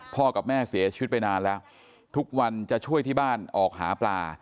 กับแม่เสียชีวิตไปนานแล้วทุกวันจะช่วยที่บ้านออกหาปลา